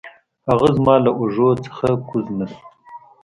هغه زما له اوږو نه کوز نه شو.